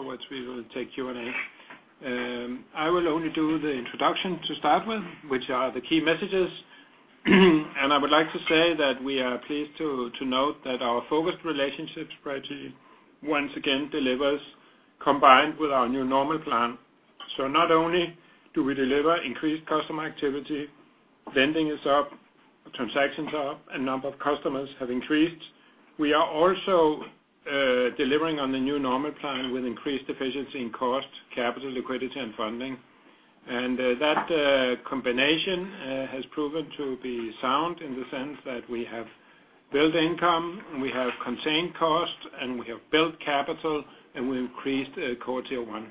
Afterwards, we will take Q&A. I will only do the introduction to start with, which are the key messages. I would like to say that we are pleased to note that our focused relationship strategy once again delivers, combined with our new normal plan. Not only do we deliver increased customer activity, lending is up, transactions are up, and the number of customers has increased, we are also delivering on the new normal plan with increased efficiency in cost, capital, liquidity, and funding. That combination has proven to be sound in the sense that we have built income, we have contained cost, and we have built capital, and we increased core Tier 1.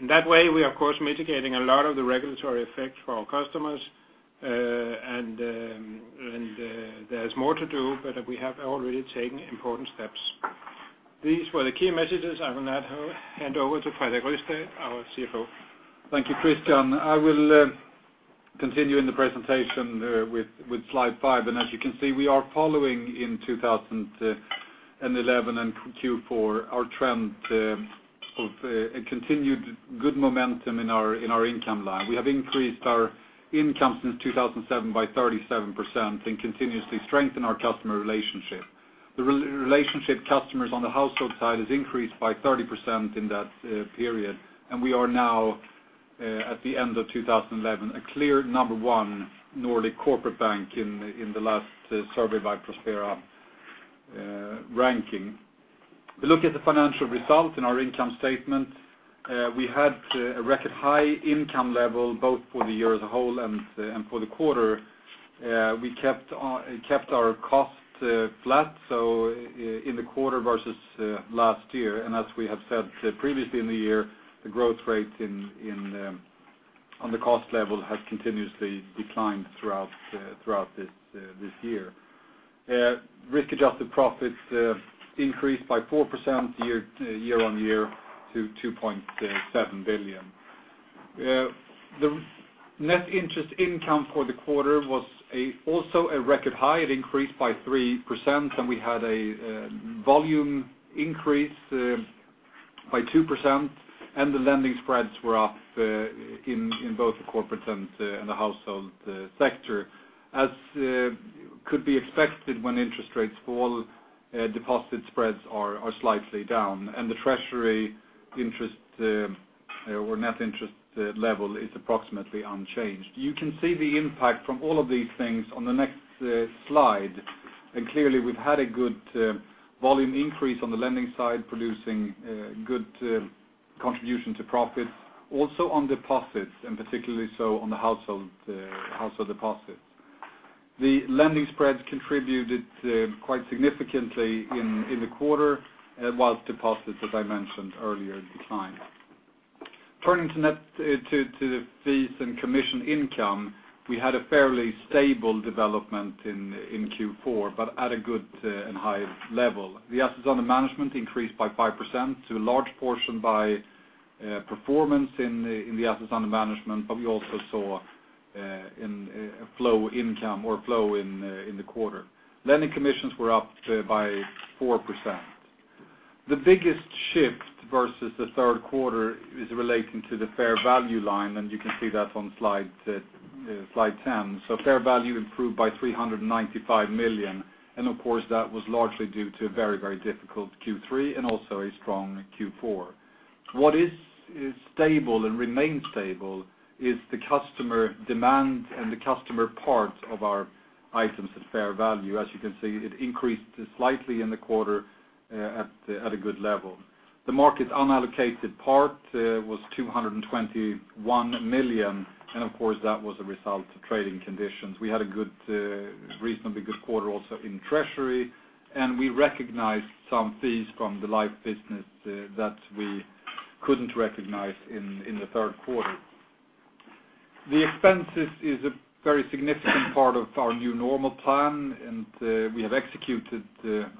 In that way, we are, of course, mitigating a lot of the regulatory effects for our customers. There is more to do, but we have already taken important steps. These were the key messages. I will now hand over to Fredrik Rystedt, our CFO. Thank you, Christian. I will continue in the presentation with slide five. As you can see, we are following in 2011 and Q4 our trend of continued good momentum in our income line. We have increased our income since 2007 by 37% and continuously strengthened our customer relationship. The relationship customers on the household side has increased by 30% in that period. We are now, at the end of 2011, a clear number one Nordic corporate bank in the last survey by Prospero ranking. If we look at the financial results in our income statement, we had a record high income level both for the year as a whole and for the quarter. We kept our cost flat in the quarter versus last year. As we have said previously in the year, the growth rate on the cost level has continuously declined throughout this year. Risk-adjusted profits increased by 4% year on year to 2.7 billion. The net interest income for the quarter was also a record high. It increased by 3%. We had a volume increase by 2%. The lending spreads were up in both the corporate and the household sector. As could be expected, when interest rates fall, deposit spreads are slightly down. The treasury interest or net interest level is approximately unchanged. You can see the impact from all of these things on the next slide. Clearly, we've had a good volume increase on the lending side, producing good contribution to profits, also on deposits, and particularly so on the household deposits. The lending spreads contributed quite significantly in the quarter, while deposits, as I mentioned earlier, declined. Turning to net to the fees and commission income, we had a fairly stable development in Q4, but at a good and high level. The assets under management increased by 5% to a large portion by performance in the assets under management, but we also saw a flow income or flow in the quarter. Lending commissions were up by 4%. The biggest shift versus the third quarter is relating to the fair value line. You can see that on slide 10. Fair value improved by 395 million. That was largely due to a very, very difficult Q3 and also a strong Q4. What is stable and remains stable is the customer demand and the customer part of our items at fair value. As you can see, it increased slightly in the quarter at a good level. The market unallocated part was 221 million. That was a result of trading conditions. We had a reasonably good quarter also in treasury. We recognized some fees from the live business that we couldn't recognize in the third quarter. The expenses are a very significant part of our new normal plan. We have executed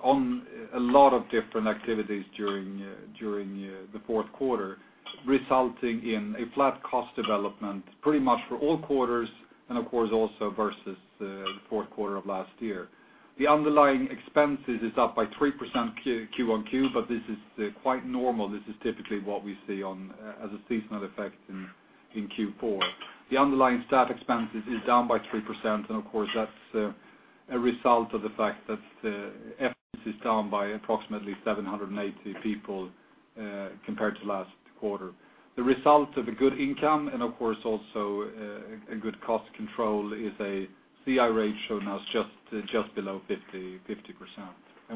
on a lot of different activities during the fourth quarter, resulting in a flat cost development pretty much for all quarters, and also versus the fourth quarter of last year. The underlying expenses are up by 3% Q1Q, but this is quite normal. This is typically what we see as a seasonal effect in Q4. The underlying staff expenses are down by 3%. That's a result of the fact that the efforts are down by approximately 780 people compared to last quarter. The result of a good income and also a good cost control is a CI rate shown as just below 50%.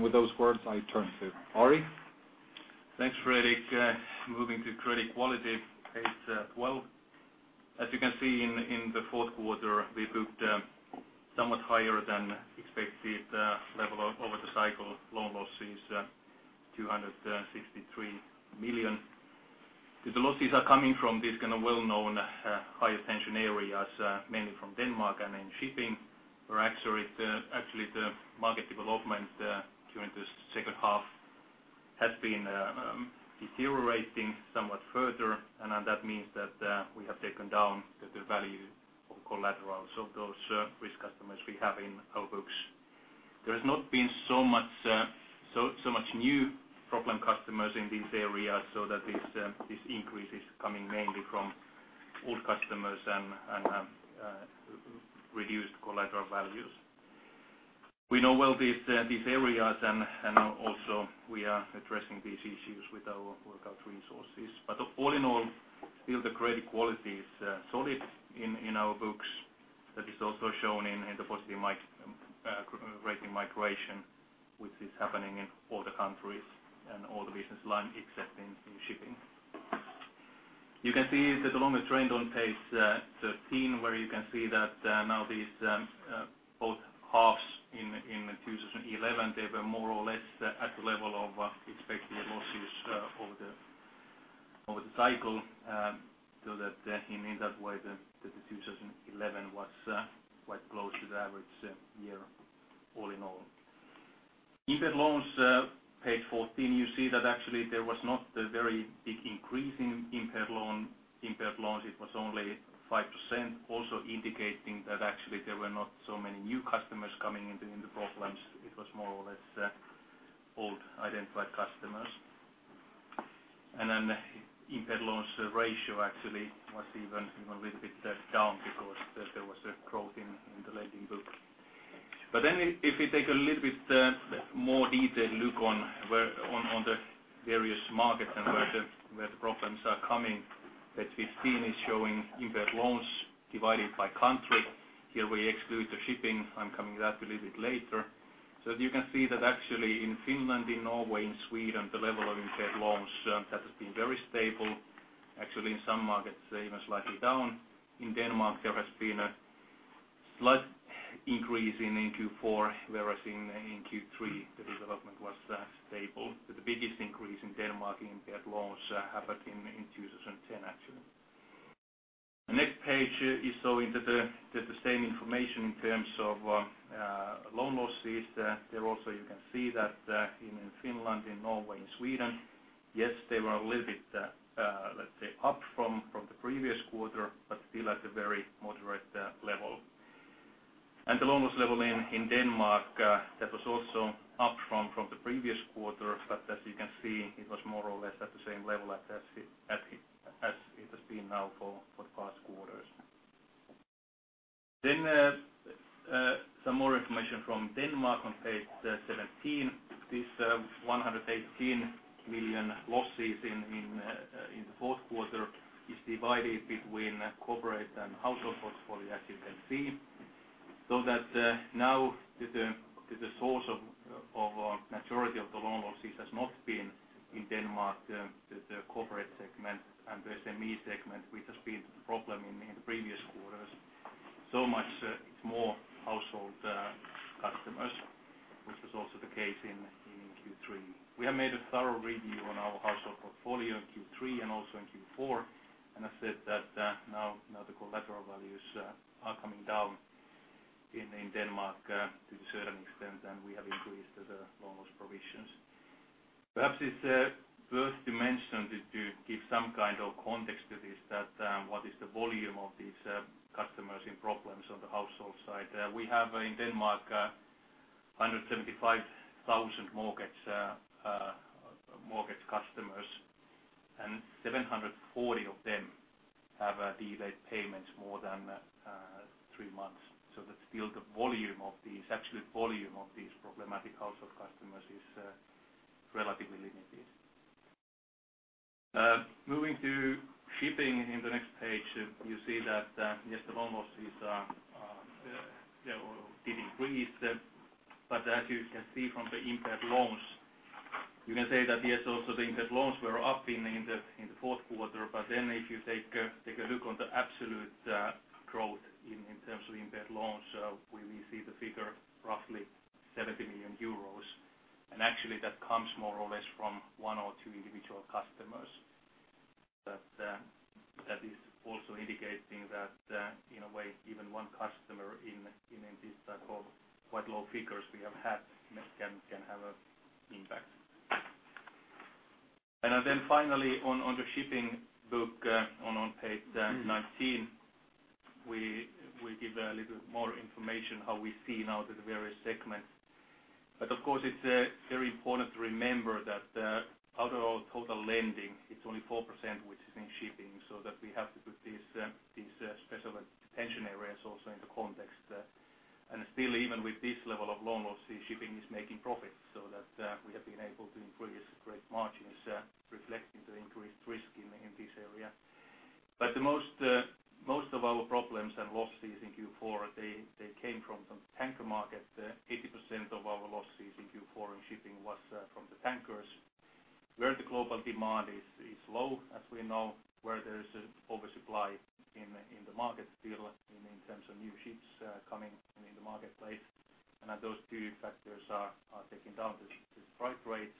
With those words, I turn to Ari. Thanks, Fredrik. Moving to credit quality, page 12. As you can see, in the fourth quarter, we booked somewhat higher than expected level over the cycle. Loan losses are 263 million. The losses are coming from these kind of well-known highest tension areas, mainly from Denmark and in shipping. Actually, the market development during the second half has been deteriorating somewhat further. That means that we have taken down the value of collaterals of those risk customers we have in our books. There has not been so much new problem customers in these areas, so this increase is coming mainly from old customers and reduced collateral values. We know well these areas, and also, we are addressing these issues with our resources. All in all, still, the credit quality is solid in our books. That is also shown in the positive rating migration, which is happening in all the countries and all the business lines except in shipping. You can see the longer trend on page 13, where you can see that now these both halves in 2011, they were more or less at the level of expected losses over the cycle. In that way, 2011 was quite close to the average year all in all. Impaired loans, page 14, you see that actually, there was not a very big increase in impaired loans. It was only 5%, also indicating that actually, there were not so many new customers coming into the problems. It was more or less old identified customers. The impaired loans ratio actually was even a little bit down because there was a growth in the lending books. If we take a little bit more detailed look on the various markets and where the problems are coming, page 15 is showing impaired loans divided by country. Here, we exclude the shipping. I'm coming back a little bit later. You can see that actually, in Finland, in Norway, in Sweden, the level of impaired loans has been very stable. Actually, in some markets, they even slightly down. In Denmark, there has been a slight increase in Q4, whereas in Q3, the development was stable. The biggest increase in Denmark in impaired loans happened in 2010, actually. The next page is showing that the same information in terms of loan losses. There also, you can see that in Finland, in Norway, in Sweden, yes, they were a little bit, let's say, up from the previous quarter, but still at a very moderate level. The loan loss level in Denmark, that was also up from the previous quarter. As you can see, it was more or less at the same level as it has been now for the past quarters. Some more information from Denmark on page 17. This 118 million losses in the fourth quarter is divided between corporates and household portfolios, as you can see. Now, the source of the majority of the loan losses has not been in Denmark, the corporate segment. There's a ME segment, which has been the problem in the previous quarters, much more household customers, which was also the case in Q3. We have made a thorough review on our household portfolio in Q3 and also in Q4. I said that now the collateral values are coming down in Denmark to a certain extent, and we have increased the loan loss provisions. Perhaps it's worth mentioning, to give some kind of context to this, what is the volume of these customers in problems on the household side? We have in Denmark 175,000 mortgage customers, and 740 of them have delayed payments more than three months. The absolute volume of these problematic household customers is relatively limited. Moving to shipping in the next page, you see that the loan losses are decreased. As you can see from the impaired loans, you can say that also the impaired loans were up in the fourth quarter. If you take a look at the absolute growth in terms of impaired loans, we see the figure roughly 70 million euros. Actually, that comes more or less from one or two individual customers. That is also indicating that, in a way, even one customer in this type of quite low figures we have had can have an impact. Finally, on the shipping book on page 19, we give a little more information how we see now the various segments. Of course, it's very important to remember that out of our total lending, it's only 4% which is in shipping. We have to put these special attention areas also in the context. Even with this level of loan losses, shipping is making profits. We have been able to increase great margins, reflecting the increased risk in this area. Most of our problems and losses in Q4 came from the tanker market. 80% of our losses in Q4 in shipping was from the tankers, where the global demand is low, as we know, where there is an oversupply in the market still in terms of new ships coming in the marketplace. Those two factors are taking down the strike rates.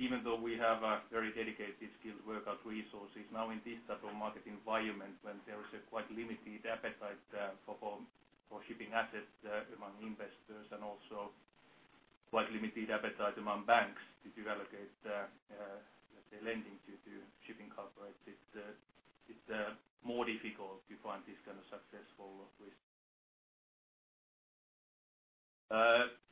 Even though we have very dedicated, skilled work-out resources, now in this type of market environment, when there is a quite limited appetite for shipping assets among investors and also quite limited appetite among banks to allocate the lending to shipping corporates, it's more difficult to find this kind of successful risk.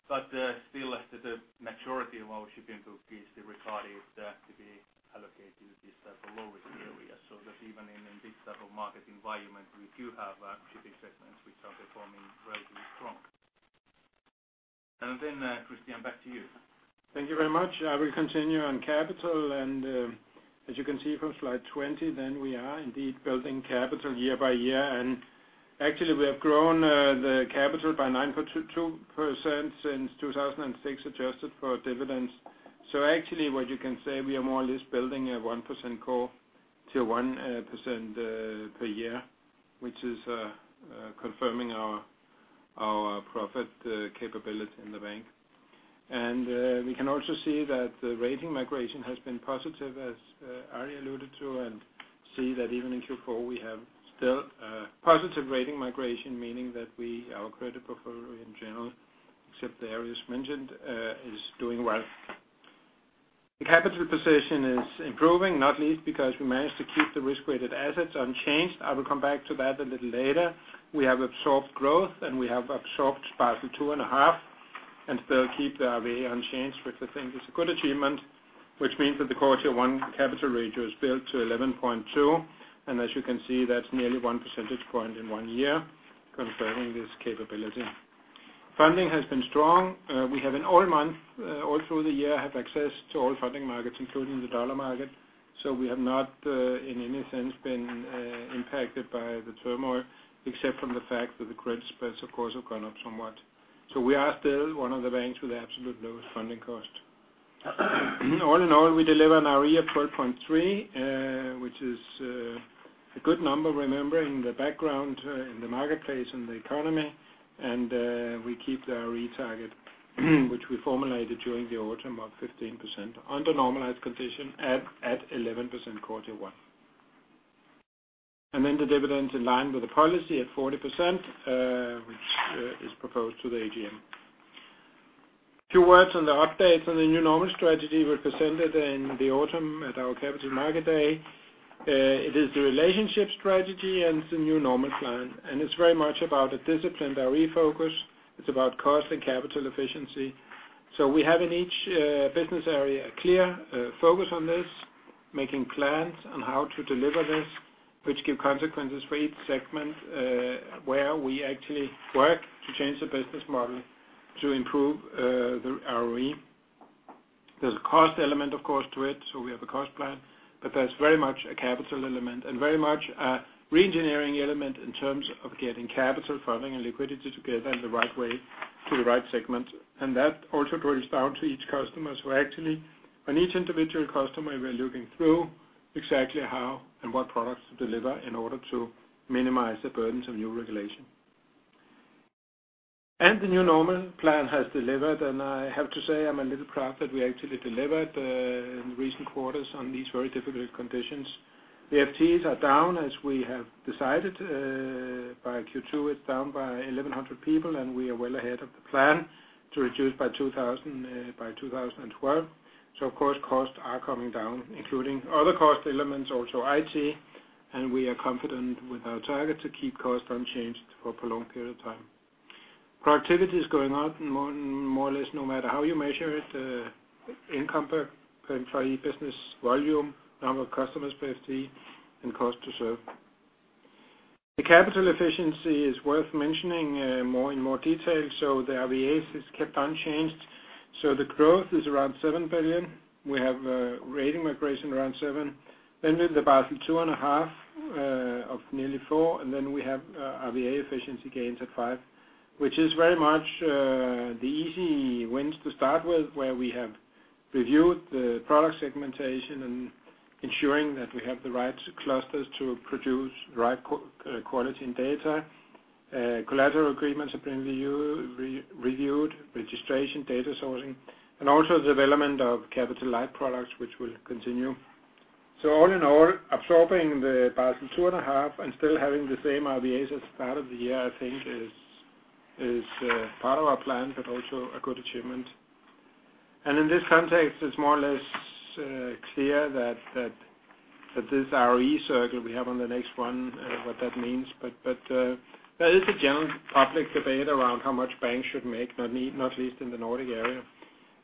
Still, the majority of our shipping book is recorded to be allocated to this type of low risk area, so that even in this type of market environment, we do have shipping segments which are performing relatively strong. Christian, back to you. Thank you very much. I will continue on capital. As you can see from slide 20, we are indeed building capital year by year. Actually, we have grown the capital by 9.2% since 2006, adjusted for dividends. What you can say is we are more or less building a 1% core Tier 1 per year, which is confirming our profit capability in the bank. We can also see that the rating migration has been positive, as Ari Kaperi alluded to, and see that even in Q4, we have still positive rating migration, meaning that our credit portfolio in general, except the areas mentioned, is doing well. The capital position is improving, not least because we managed to keep the risk-weighted assets unchanged. I will come back to that a little later. We have absorbed growth, and we have absorbed part of 2.5 and still keep the RWA unchanged, which I think is a good achievement, which means that the core Tier 1 capital ratio was built to 11.2%. As you can see, that's nearly 1 percentage point in one year, confirming this capability. Funding has been strong. We have in all months, all through the year, had access to all funding markets, including the U.S. dollar market. We have not, in any sense, been impacted by the turmoil, except from the fact that the credit spreads, of course, have gone up somewhat. We are still one of the banks with the absolute lowest funding cost. All in all, we deliver an ROE of 12.3%, which is a good number, remember, in the background in the marketplace and the economy. We keep the ROE target, which we formulated during the autumn, of 15% under normalized condition at 11% core Tier 1. The dividends are in line with the policy at 40%, which is proposed to the AGM. Two words on the updates on the new normal strategy we presented in the autumn at our capital market day. It is the relationship strategy and the new normal plan. It is very much about a disciplined ROE focus. It is about cost and capital efficiency. We have in each business area a clear focus on this, making plans on how to deliver this, which give consequences for each segment where we actually work to change the business model to improve the ROE. There's a cost element, of course, to it. We have a cost plan. There is very much a capital element and very much a re-engineering element in terms of getting capital, funding, and liquidity together in the right way to the right segments. That also trickles down to each customer. Actually, on each individual customer, we're looking through exactly how and what products to deliver in order to minimize the burdens of new regulation. The new normal plan has delivered. I have to say, I'm a little proud that we actually delivered in recent quarters on these very difficult conditions. The FTs are down, as we have decided. By Q2, it's down by 1,100 people. We are well ahead of the plan to reduce by 2,000 by 2012. Of course, costs are coming down, including other cost elements, also IT. We are confident with our target to keep costs unchanged for a prolonged period of time. Productivity is going up more or less no matter how you measure it. The income per employee, business volume, number of customers, 50, and cost to serve. The capital efficiency is worth mentioning more in more detail. The RVAs is kept unchanged. The growth is around 7 billion. We have a rating migration around 7 billion. Then we're in the bottom 2.5 billion of nearly 4 billion. We have RVA efficiency gains at 5 billion, which is very much the easy wins to start with, where we have reviewed the product segmentation and ensuring that we have the right clusters to produce the right quality in data. Collateral agreements have been reviewed, registration, data sourcing, and also the development of capital light products, which will continue. All in all, absorbing the bottom 4.5 billion and still having the same RVAs at the start of the year, I think, is part of our plan, but also a good achievement. In this context, it's more or less clear that this RE circle we have on the next one, what that means. There is a general public debate around how much banks should make, not least in the Nordic area.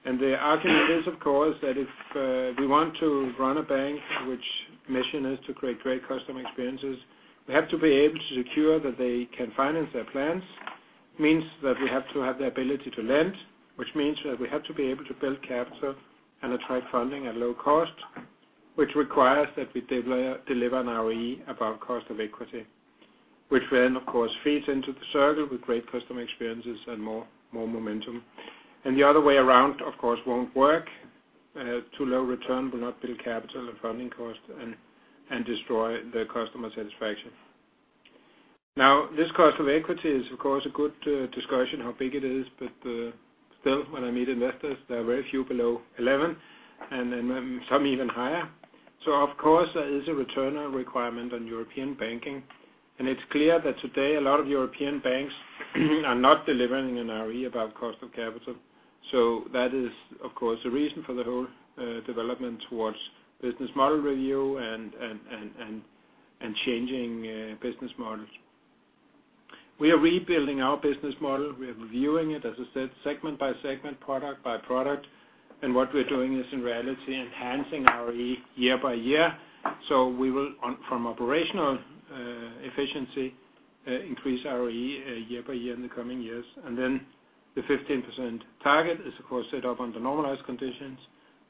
The argument is, of course, that if we want to run a bank, which mission is to create great customer experiences, we have to be able to secure that they can finance their plans. It means that we have to have the ability to lend, which means that we have to be able to build capital and attract funding at low cost, which requires that we deliver an RE above cost of equity, which then, of course, feeds into the circle with great customer experiences and more momentum. The other way around, of course, won't work. Too low return will not build capital and funding costs and destroy the customer satisfaction. Now, this cost of equity is, of course, a good discussion how big it is. Still, when I meet investors, there are very few below 11 and then some even higher. Of course, there is a return on requirement on European banking. It's clear that today, a lot of European banks are not delivering an ROE above cost of capital. That is, of course, a reason for the whole development towards business model review and changing business models. We are rebuilding our business model. We are reviewing it, as I said, segment by segment, product by product. What we're doing is, in reality, enhancing ROE year by year. We will, from operational efficiency, increase ROE year by year in the coming years. The 15% target is, of course, set up under normalized conditions,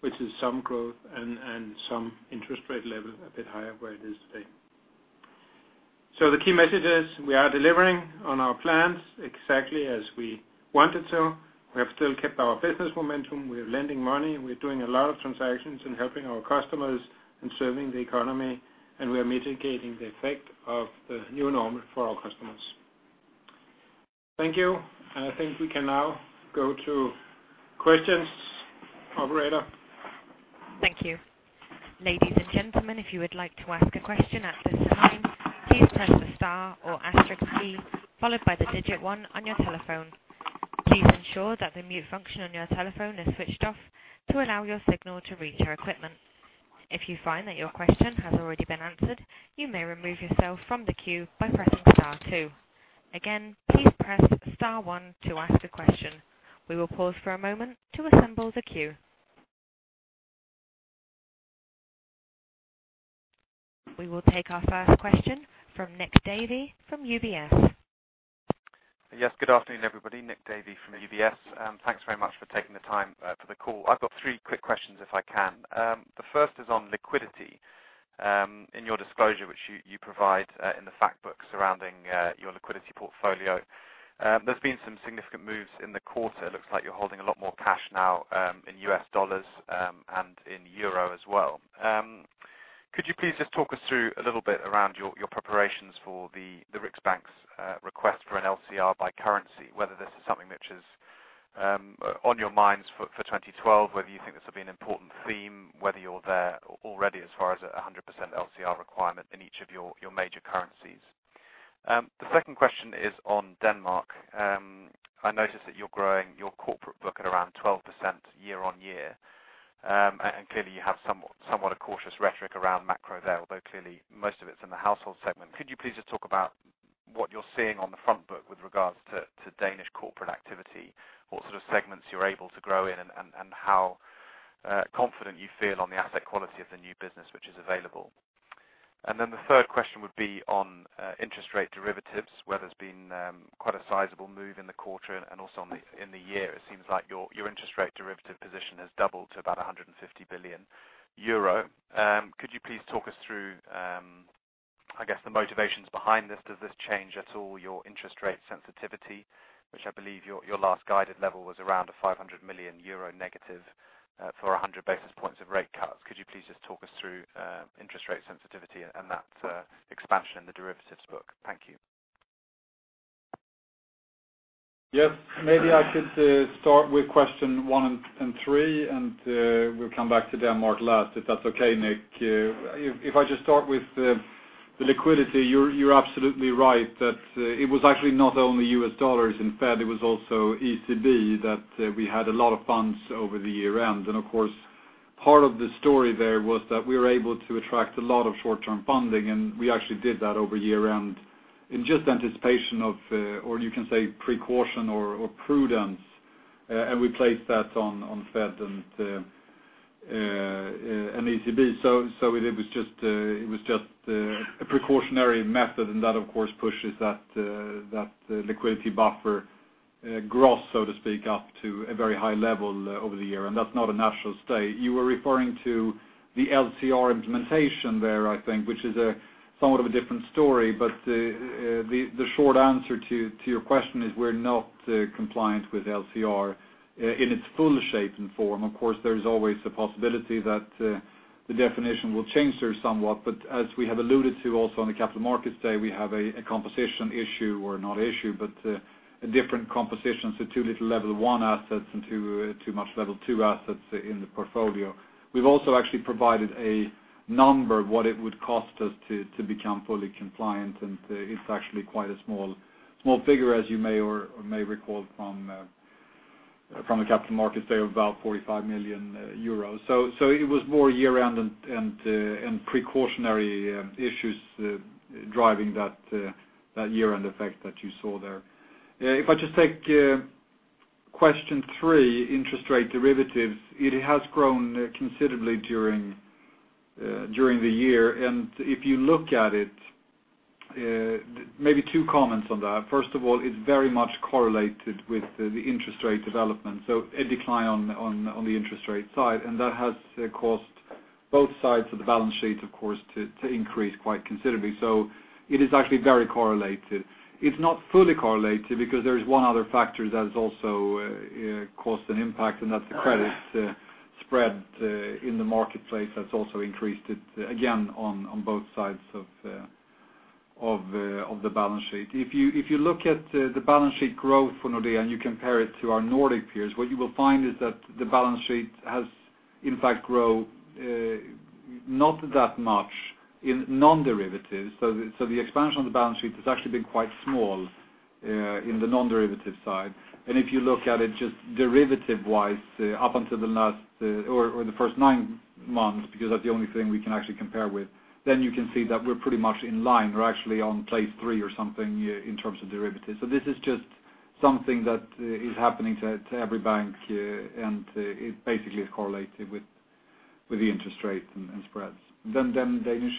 which is some growth and some interest rate level a bit higher where it is today. The key message is we are delivering on our plans exactly as we wanted to. We have still kept our business momentum. We are lending money. We're doing a lot of transactions and helping our customers and serving the economy. We are mitigating the effect of the new normal for our customers. Thank you. I think we can now go to questions. Operator. Thank you. Ladies and gentlemen, if you would like to ask a question at this time, please press the star or asterisk key followed by the digit one on your telephone. Please ensure that the mute function on your telephone is switched off to allow your signal to reach your equipment. If you find that your question has already been answered, you may remove yourself from the queue by pressing star two. Again, please press star one to ask the question. We will pause for a moment to assemble the queue. We will take our first question from Nick Davey from UBS. Yes. Good afternoon, everybody. Nick Davey from UBS. Thanks very much for taking the time for the call. I've got three quick questions, if I can. The first is on liquidity in your disclosure, which you provide in the fact book surrounding your liquidity portfolio. There's been some significant moves in the quarter. It looks like you're holding a lot more cash now in U.S. dollars and in euro as well. Could you please just talk us through a little bit around your preparations for the Riksbank's request for an LCR by currency, whether this is something which is on your minds for 2012, whether you think this will be an important theme, whether you're there already as far as a 100% LCR requirement in each of your major currencies? The second question is on Denmark. I noticed that you're growing your corporate book at around 12% year-on-year. You have somewhat of a cautious rhetoric around macro there, although most of it's in the household segment. Could you please just talk about what you're seeing on the front book with regards to Danish corporate activity, what sort of segments you're able to grow in, and how confident you feel on the asset quality of the new business which is available? The third question would be on interest rate derivatives, where there's been quite a sizable move in the quarter and also in the year. It seems like your interest rate derivative position has doubled to about 150 billion euro. Could you please talk us through, I guess, the motivations behind this? Does this change at all your interest rate sensitivity, which I believe your last guided level was around a -500 million euro for 100 basis points of rate cuts? Could you please just talk us through interest rate sensitivity and that expansion in the derivatives book? Thank you. Yeah. Maybe I could start with question one and three. We'll come back to Denmark last, if that's okay, Nick. If I just start with the liquidity, you're absolutely right that it was actually not only U.S. dollars and Fed. It was also ECB that we had a lot of funds over the year-end. Of course, part of the story there was that we were able to attract a lot of short-term funding. We actually did that over year-end in just anticipation of, or you can say, precaution or prudence. We placed that on Fed and ECB. It was just a precautionary method. That, of course, pushes that liquidity buffer gross, so to speak, up to a very high level over the year. That's not a natural state. You were referring to the LCR implementation there, I think, which is somewhat of a different story. The short answer to your question is we're not compliant with LCR in its full shape and form. Of course, there's always a possibility that the definition will change there somewhat. As we have alluded to also on the capital markets day, we have a composition issue or not issue, but a different composition. Too little level one assets and too much level two assets in the portfolio. We've also actually provided a number of what it would cost us to become fully compliant. It's actually quite a small figure, as you may or may recall from the capital markets day, of about 45 million euros. It was more year-end and precautionary issues driving that year-end effect that you saw there. If I just take question three, interest rate derivatives, it has grown considerably during the year. If you look at it, maybe two comments on that. First of all, it's very much correlated with the interest rate development. A decline on the interest rate side has caused both sides of the balance sheet, of course, to increase quite considerably. It is actually very correlated. It's not fully correlated because there's one other factor that has also caused an impact. That's the credit spread in the marketplace that's also increased it again on both sides of the balance sheet. If you look at the balance sheet growth for Nordea Bank and you compare it to our Nordic peers, what you will find is that the balance sheet has, in fact, grown not that much in non-derivatives. The expansion on the balance sheet has actually been quite small in the non-derivative side. If you look at it just derivative-wise up until the last or the first nine months, because that's the only thing we can actually compare with, you can see that we're pretty much in line. We're actually on place three or something in terms of derivatives. This is just something that is happening to every bank. It basically is correlated with the interest rate and spreads. Danish?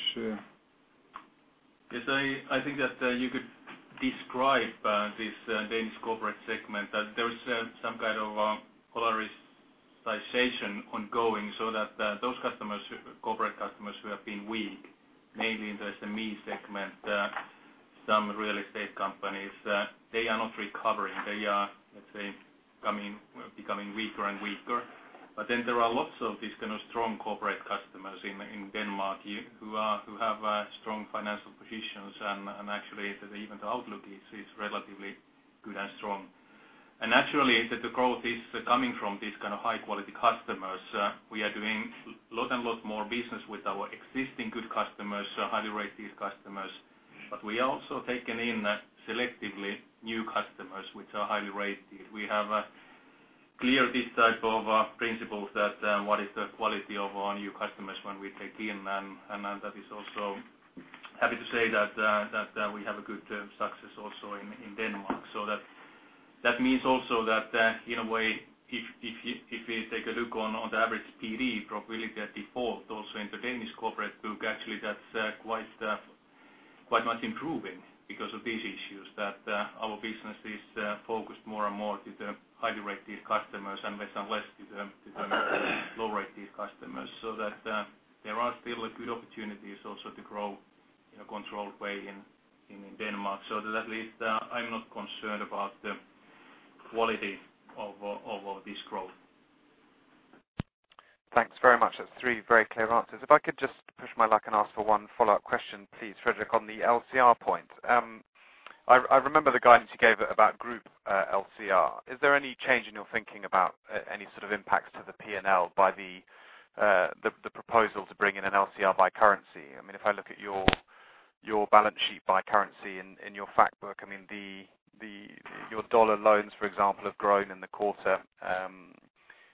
Yes. I think that you could describe this Danish corporate segment that there is some kind of polarization ongoing so that those corporate customers who have been weak, mainly in the SME segment, some real estate companies, they are not recovering. They are, let's say, becoming weaker and weaker. There are lots of these kind of strong corporate customers in Denmark who have strong financial positions. Actually, even the outlook is relatively good and strong. Naturally, the growth is coming from these kind of high-quality customers. We are doing a lot and a lot more business with our existing good customers, highly rated customers. We are also taking in selectively new customers, which are highly rated. We have cleared this type of principle that what is the quality of our new customers when we take in. I'm also happy to say that we have a good success also in Denmark. That means also that, in a way, if you take a look on the average PD probability at default, also in the Danish corporate book, actually, that's quite much improving because of these issues that our business is focused more and more to the highly rated customers and less and less to the low rated customers. There are still good opportunities also to grow in a controlled way in Denmark. At least I'm not concerned about the quality of this growth. Thanks very much. That's three very clear answers. If I could just push my luck and ask for one follow-up question, please, Fredrik, on the LCR point. I remember the guidance you gave about group LCR. Is there any change in your thinking about any sort of impacts to the P&L by the proposal to bring in an LCR by currency? I mean, if I look at your balance sheet by currency in your fact book, I mean, your dollar loans, for example, have grown in the quarter.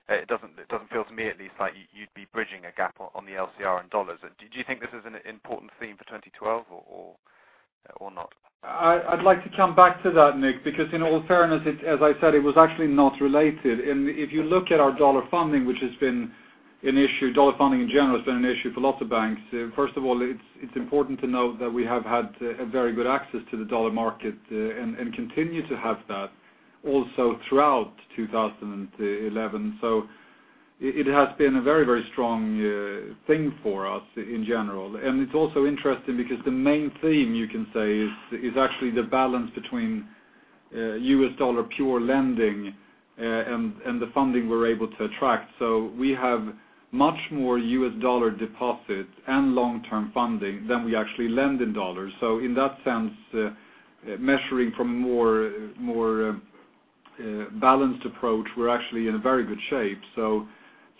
It doesn't feel to me, at least, like you'd be bridging a gap on the LCR in dollars. Do you think this is an important theme for 2012 or not? I'd like to come back to that, Nick, because in all fairness, as I said, it was actually not related. If you look at our dollar funding, which has been an issue, dollar funding in general has been an issue for lots of banks. First of all, it's important to know that we have had very good access to the dollar market and continue to have that also throughout 2011. It has been a very, very strong thing for us in general. It's also interesting because the main theme, you can say, is actually the balance between U.S. dollar pure lending and the funding we're able to attract. We have much more U.S. dollar deposits and long-term funding than we actually lend in dollars. In that sense, measuring from a more balanced approach, we're actually in very good shape.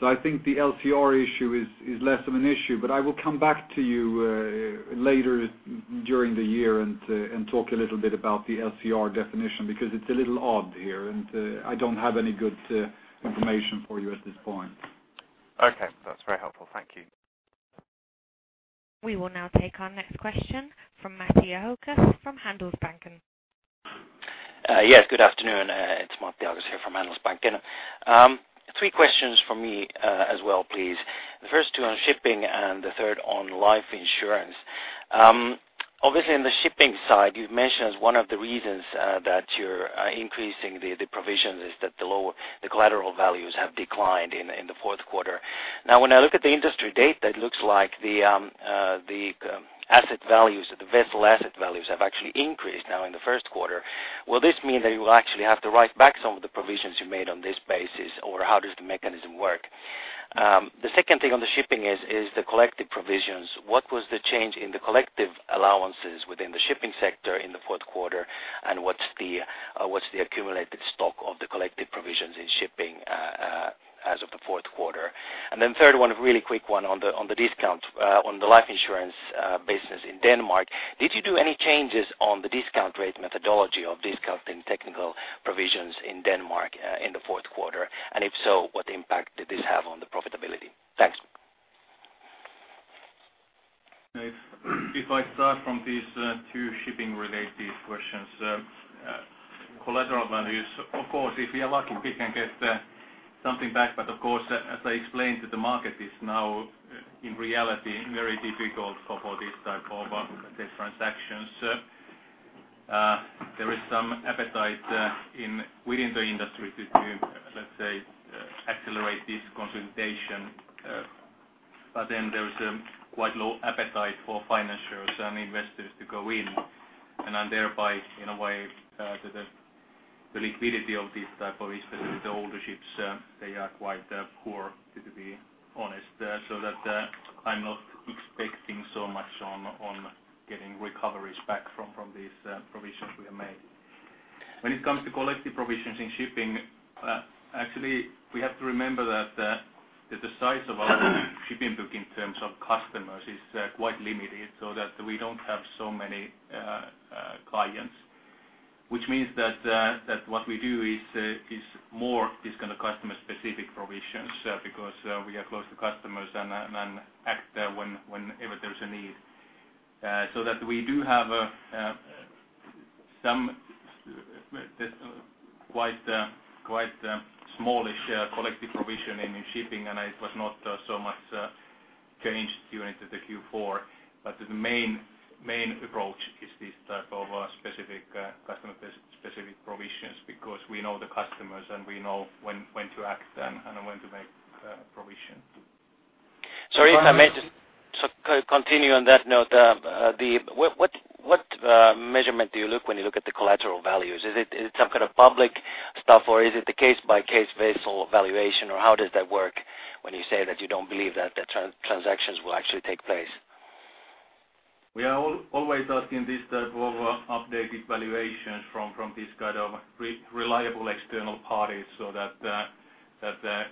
I think the LCR issue is less of an issue. I will come back to you later during the year and talk a little bit about the LCR definition because it's a little odd here. I don't have any good information for you at this point. Okay, that's very helpful. Thank you. We will now take our next question from Matti Ahokas from Handelsbanken. Yes. Good afternoon. It's Matthew Ahokas here from Handelsbanken. Three questions from me as well, please. The first two on shipping and the third on life insurance. Obviously, on the shipping side, you've mentioned as one of the reasons that you're increasing the provisions is that the collateral values have declined in the fourth quarter. Now, when I look at the industry data, it looks like the asset values, the vessel asset values have actually increased now in the first quarter. Will this mean that you will actually have to write back some of the provisions you made on this basis, or how does the mechanism work? The second thing on the shipping is the collective provisions. What was the change in the collective allowances within the shipping sector in the fourth quarter? What's the accumulated stock of the collective provisions in shipping as of the fourth quarter? The third one, a really quick one on the discount on the life insurance business in Denmark. Did you do any changes on the discount rate methodology of discounting technical provisions in Denmark in the fourth quarter? If so, what impact did this have on the profitability? Thanks. If I start from these two shipping-related questions, collateral values, of course, if you're lucky, you can get something back. Of course, as I explained to the market, it's now, in reality, very difficult for these transactions. There is some appetite within the industry to, let's say, accelerate this consolidation. There is a quite low appetite for financials and investors to go in. In a way, the liquidity of these types of, especially the holder ships, they are quite poor, to be honest. I'm not expecting so much on getting recoveries back from these provisions we have made. When it comes to collective provisions in shipping, actually, we have to remember that the size of our shipping book in terms of customers is quite limited so that we don't have so many clients, which means that what we do is more kind of customer-specific provisions because we are close to customers and act there whenever there's a need. We do have some quite smallish collective provision in shipping, and it was not so much changed during the Q4. The main approach is this type of specific customer-specific provisions because we know the customers and we know when to act them and when to make provisions. Sorry. I meant to continue on that note. What measurement do you look at when you look at the collateral values? Is it some kind of public stuff, or is it the case-by-case vessel valuation? How does that work when you say that you don't believe that the transactions will actually take place? We are always asking this type of updated valuation from these kind of reliable external parties,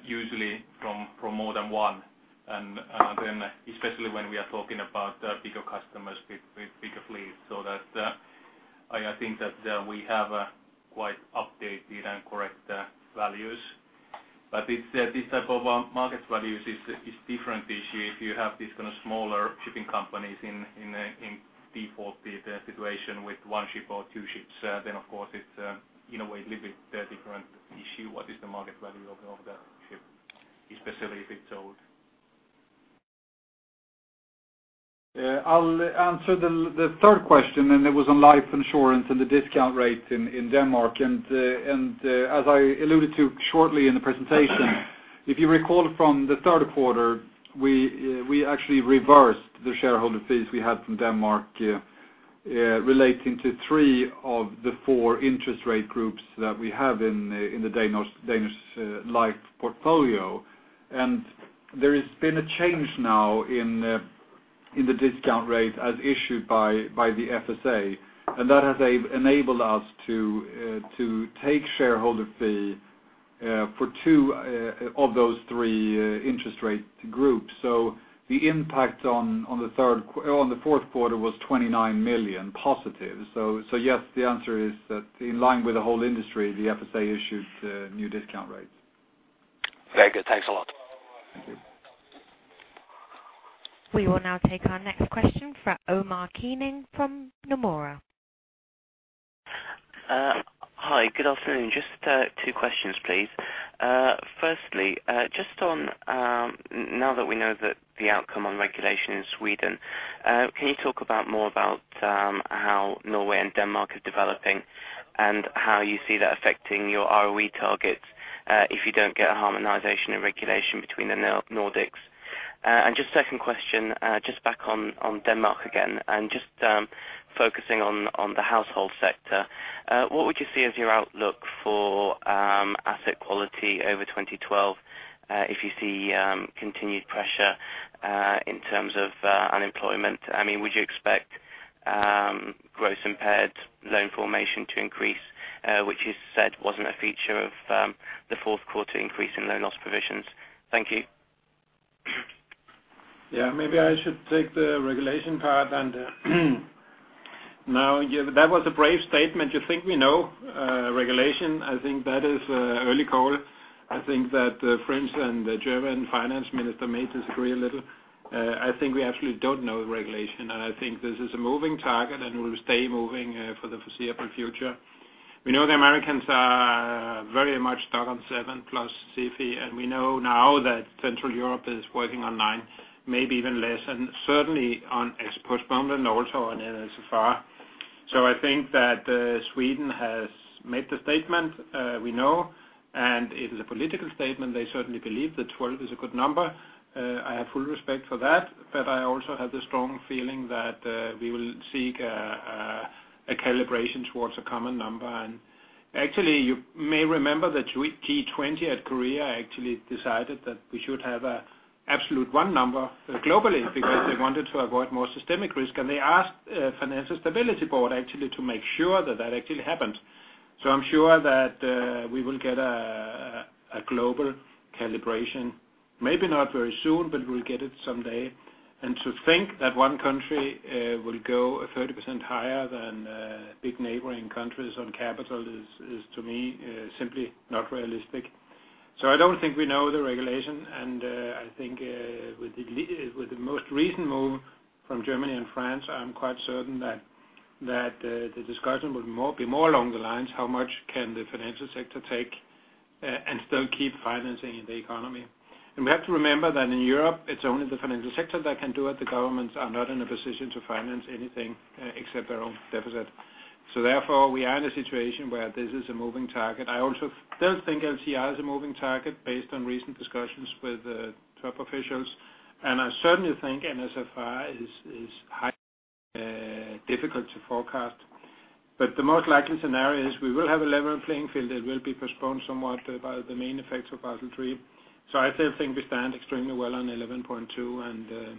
usually from more than one. Especially when we are talking about bigger customers with bigger fleets, I think that we have quite updated and correct values. This type of market values is a different issue. If you have these kind of smaller shipping companies in a defaulted situation with one ship or two ships, of course, it's, in a way, a little bit different issue. What is the market value of the ship, especially if it's sold? I'll answer the third question. It was on life insurance and the discount rate in Denmark. As I alluded to shortly in the presentation, if you recall from the third quarter, we actually reversed the shareholder fees we had from Denmark relating to three of the four interest rate groups that we have in the Danish life portfolio. There has been a change now in the discount rate as issued by the FSA, and that has enabled us to take shareholder fee for two of those three interest rate groups. The impact on the fourth quarter was +29 million. Yes, the answer is that in line with the whole industry, the FSA issued new discount rates. Very good. Thanks a lot. We will now take our next question for Omar Keening from Nomura. Hi. Good afternoon. Just two questions, please. Firstly, just on now that we know the outcome on regulation in Sweden, can you talk more about how Norway and Denmark are developing and how you see that affecting your ROE targets if you don't get a harmonization in regulation between the Nordics? Just a second question, back on Denmark again, and just focusing on the household sector. What would you see as your outlook for asset quality over 2012 if you see continued pressure in terms of unemployment? Would you expect gross impaired loan formation to increase, which you said wasn't a feature of the fourth quarter increase in loan loss provisions? Thank you. Maybe I should take the regulation part. That was a brave statement. You think we know regulation? I think that is an early call. I think that the French and the German finance minister may disagree a little. I think we absolutely don't know the regulation. I think this is a moving target, and it will stay moving for the foreseeable future. We know the Americans are very much stuck on 7+ CFE. We know now that Central Europe is working on 9, maybe even less, and certainly on export bonds and also on NSR. I think that Sweden has made the statement. We know, and it is a political statement. They certainly believe that 12 is a good number. I have full respect for that, but I also have the strong feeling that we will seek a calibration towards a common number. Actually, you may remember that G20 at Korea decided that we should have an absolute one number globally because they wanted to avoid more systemic risk. They asked the Financial Stability Board to make sure that actually happens. I'm sure that we will get a global calibration, maybe not very soon, but we will get it someday. To think that one country will go 30% higher than big neighboring countries on capital is, to me, simply not realistic. I don't think we know the regulation. I think with the most recent move from Germany and France, I'm quite certain that the discussion will be more along the lines of how much can the financial sector take and still keep financing the economy. We have to remember that in Europe, it's only the financial sector that can do it. The governments are not in a position to finance anything except their own deficit. Therefore, we are in a situation where this is a moving target. I also don't think LCR is a moving target based on recent discussions with the top officials. I certainly think NSR is highly difficult to forecast. The most likely scenario is we will have a level playing field. It will be postponed somewhat by the main effects of bottle tree. I still think we stand extremely well on 11.2%.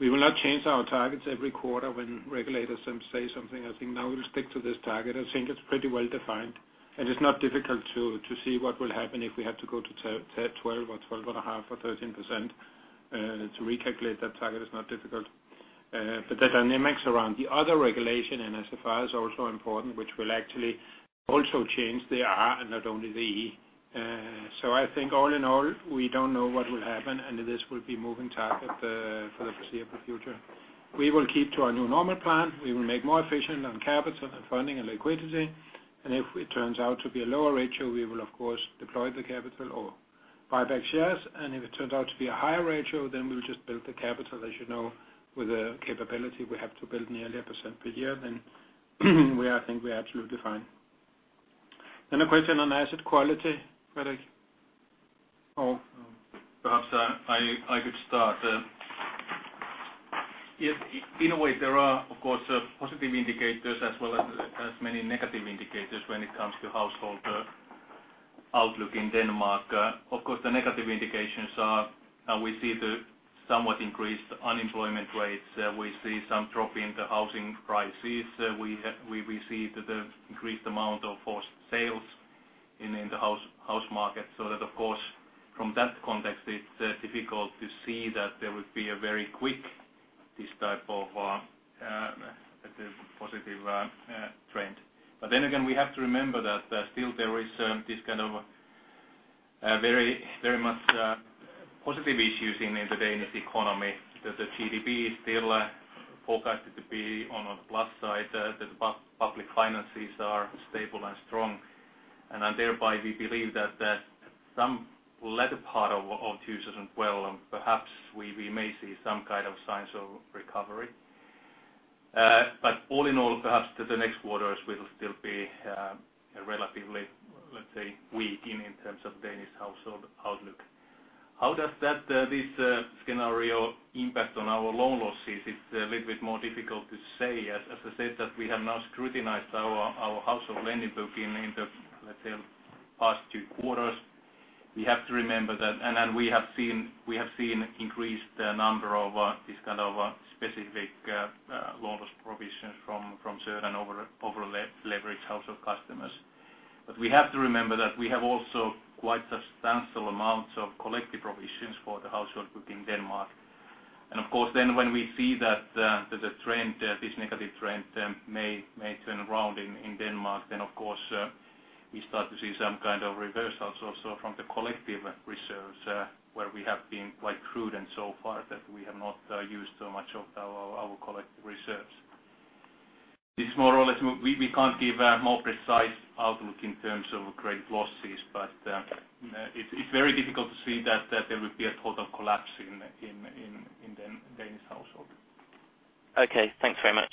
We will not change our targets every quarter when regulators say something. I think now we'll stick to this target. I think it's pretty well defined, and it's not difficult to see what will happen if we have to go to 12% or 12.5% or 13% to recalculate that target. It's not difficult. The dynamics around the other regulation, NSR, is also important, which will actually also change the R and not only the E. I think all in all, we don't know what will happen. This will be a moving target for the foreseeable future. We will keep to our new normal plan. We will make more efficient on capital and funding and liquidity. If it turns out to be a lower ratio, we will, of course, deploy the capital or buy back shares. If it turns out to be a higher ratio, then we'll just build the capital, as you know, with the capability we have to build nearly a percent per year. I think we are absolutely fine. A question on asset quality, Fredrik. Oh, perhaps I could start. In a way, there are, of course, positive indicators as well as many negative indicators when it comes to household outlook in Denmark. The negative indications are we see the somewhat increased unemployment rates. We see some drop in the housing prices. We see the increased amount of forced sales in the house market. From that context, it's difficult to see that there would be a very quick, this type of positive trend. We have to remember that still there is this kind of very, very much positive issues in the Danish economy because the GDP is still forecasted to be on the plus side. The public finances are stable and strong. Thereby, we believe that some latter part of 2012, perhaps we may see some kind of signs of recovery. All in all, perhaps the next quarters will still be relatively, let's say, weak in terms of Danish household outlook. How does this scenario impact on our loan losses? It's a little bit more difficult to say. As I said, we have now scrutinized our household lending book in the, let's say, past two quarters. We have to remember that. We have seen an increased number of this kind of specific loan loss provisions from certain over-leveraged household customers. We have to remember that we have also quite substantial amounts of collective provisions for the household book in Denmark. When we see that this negative trend may turn around in Denmark, of course, you start to see some kind of reverse outsource from the collective reserves where we have been quite prudent so far that we have not used so much of our collective reserves. This is more or less we can't give a more precise outlook in terms of credit losses. It is very difficult to see that there would be a total collapse in the Danish household. Okay, thanks very much.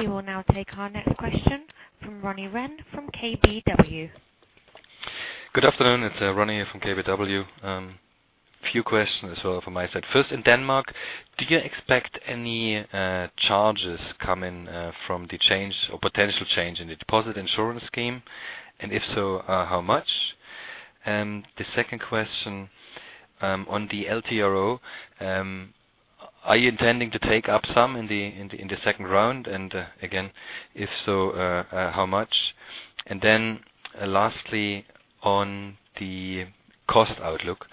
We will now take our next question from Ronny Rehn from KBW. Good afternoon. It's Ronny from KBW. A few questions as well from my side. First, in Denmark, do you expect any charges coming from the change or potential change in the deposit insurance scheme? If so, how much? The second question on the LTRO. Are you intending to take up some in the second round? If so, how much? Lastly, on the cost outlook,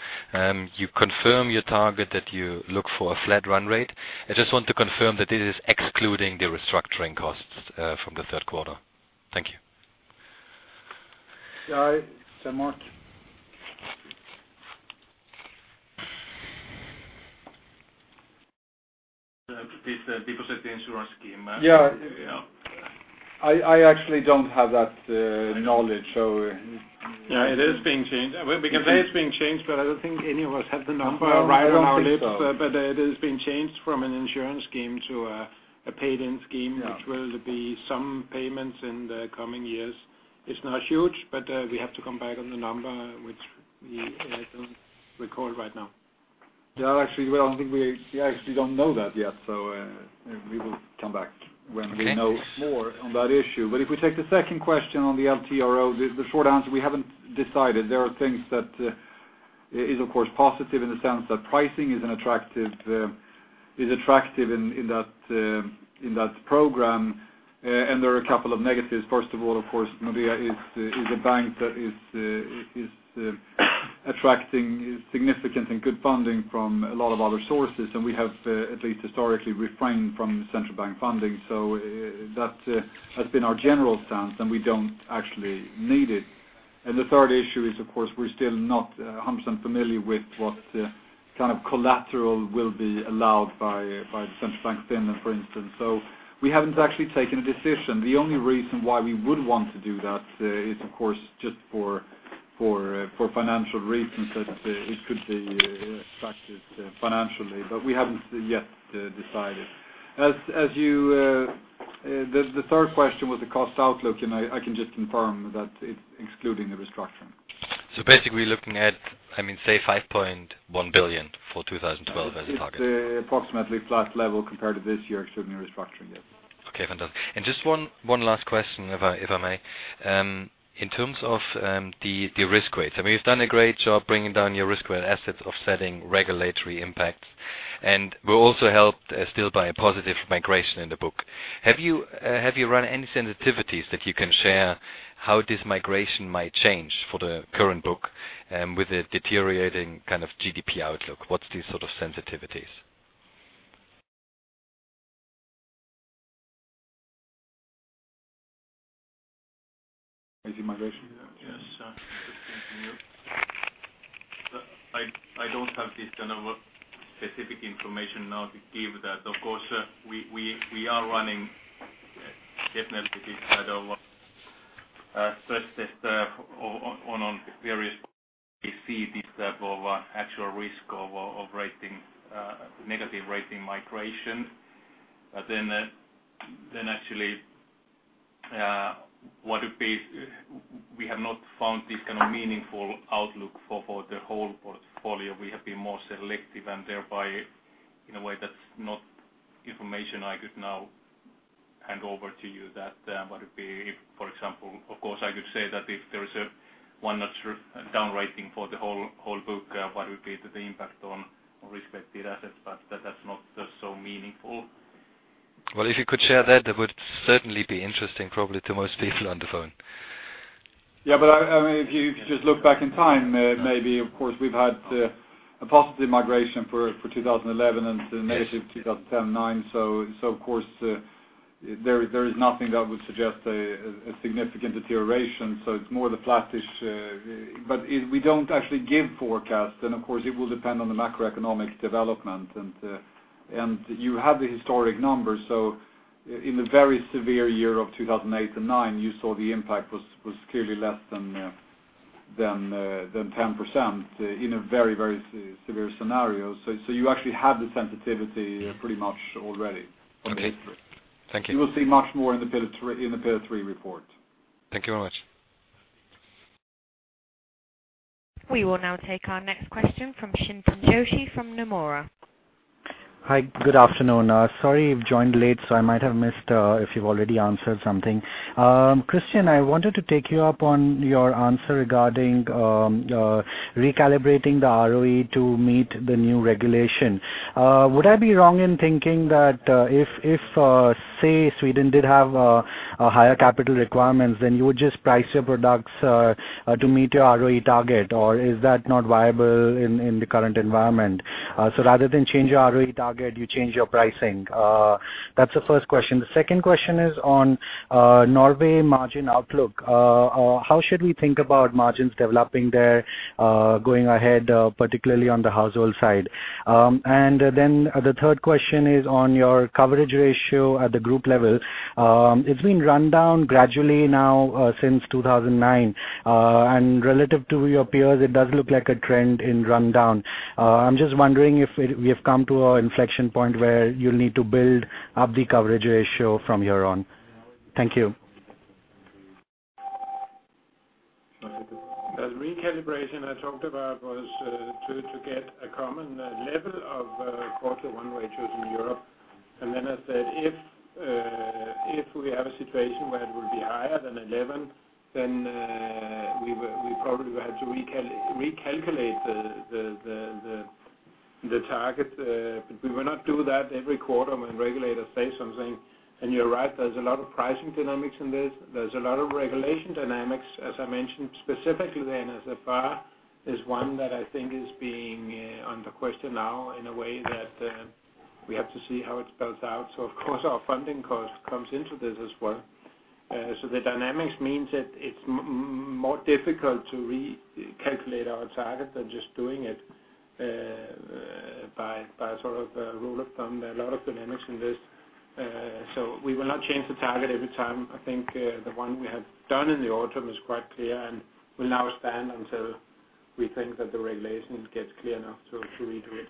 you confirm your target that you look for a flat run rate. I just want to confirm that this is excluding the restructuring costs from the third quarter. Thank you. Yeah. Samart. Please, the deposit insurance scheme. I actually don't have that knowledge. Yeah. It is being changed. We can say it's being changed, but I don't think any of us have the number right on our lips. It has been changed from an insurance scheme to a paid-in scheme. Will there be some payments in the coming years? It's not huge, but we have to come back on the number, which we don't recall right now. Yeah. Actually, we don't think we actually don't know that yet. We will come back when we know more on that issue. If we take the second question on the LTRO, the short answer, we haven't decided. There are things that are of course positive in the sense that pricing is attractive in that program. There are a couple of negatives. First of all, of course, Nordea Bank is a bank that is attracting significant and good funding from a lot of other sources. We have at least historically refrained from central bank funding. That has been our general sense. We don't actually need it. The third issue is, of course, we're still not 100% familiar with what kind of collateral will be allowed by the Central Bank of Finland, for instance. We haven't actually taken a decision. The only reason why we would want to do that is, of course, just for financial reasons. It could be factored financially. We haven't yet decided. The third question was the cost outlook. I can just confirm that it's excluding the restructuring. Basically, we're looking at, I mean, say 5.1 billion for 2012 as a target. Yes, approximately flat level compared to this year, excluding restructuring, yep. Okay. Fantastic. Just one last question, if I may. In terms of the risk rates, I mean, you've done a great job bringing down your risk-grade assets, offsetting regulatory impacts. We're also helped still by a positive migration in the book. Have you run any sensitivities that you can share, how this migration might change for the current book with a deteriorating kind of GDP outlook? What are these sort of sensitivities? Thank you, [Michael]. Yeah. I don't have this kind of specific information now to give that. Of course, we are running definitely this kind of assessed on various seeds, this type of actual risk of negative rating migration. Actually, what would be, we have not found this kind of meaningful outlook for the whole portfolio. We have been more selective and thereby, in a way, that's not information I could now hand over to you that what would be, for example, of course, I could say that if there is one down rating for the whole book, what would be the impact on risk-related assets. That's not so meaningful. If you could share that, that would certainly be interesting, probably, to most people on the phone. Yeah. If you just look back in time, maybe, of course, we've had a possible migration for 2011 and the negative 2010/2009. There is nothing that would suggest a significant deterioration. It's more of the flattish. We don't actually give forecast. It will depend on the macroeconomic development. You have the historic numbers. In the very severe year of 2008 and 2009, you saw the impact was clearly less than 10% in a very, very severe scenario. You actually have the sensitivity pretty much already on the history. Thank you. You will see much more in the Pillar 3 report. Thank you very much. We will now take our next question from Chintan Joshi from Nomura. Hi. Good afternoon. Sorry I've joined late. I might have missed if you've already answered something. Christian, I wanted to take you up on your answer regarding recalibrating the ROE to meet the new regulation. Would I be wrong in thinking that if, say, Sweden did have higher capital requirements, then you would just price your products to meet your ROE target? Is that not viable in the current environment? Rather than change your ROE target, you change your pricing. That's the first question. The second question is on Norway margin outlook. How should we think about margins developing there, going ahead, particularly on the household side? The third question is on your coverage ratio at the group level. It's been run down gradually now since 2009. Relative to your peers, it does look like a trend in rundown. I'm just wondering if we have come to an inflection point where you'll need to build up the coverage ratio from here on. Thank you. The recalibration I talked about was to get a common level of both the one-way chosen Europe. I said if we have a situation where it will be higher than 11, then we probably will have to recalculate the target. We will not do that every quarter when regulators say something. You're right. There's a lot of pricing dynamics in this. There's a lot of regulation dynamics. As I mentioned, specifically the NSR is one that I think is being under question now in a way that we have to see how it's built out. Of course, our funding cost comes into this as well. The dynamics mean that it's more difficult to recalculate our target than just doing it by sort of a rule of thumb. There are a lot of dynamics in this. We will not change the target every time. I think the one we have done in the autumn is quite clear, and we'll now stand until we think that the regulation gets clear enough to redo it.